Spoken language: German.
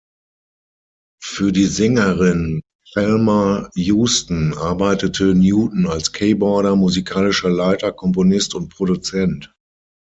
Für die Sängerin Thelma Houston arbeitete Newton als Keyboarder, musikalischer Leiter, Komponist und Produzent.